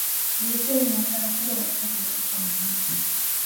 Ilikuwa ni hasara kubwa katika kizazi cha muziki